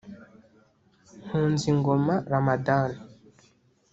Nkunzingoma Ramadhan